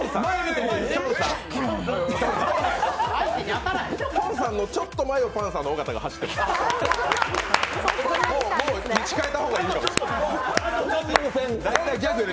きょんさんのちょっと前をパンサーの尾形が走ってました。